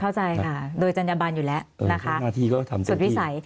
เข้าใจค่ะโดยจัญญบันอยู่แล้วนะคะสุดวิสัย